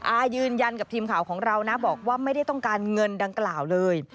อายืนยันกับทีมข่าวของเรานะบอกว่าไม่ได้ต้องการเงินดังกล่าวเลย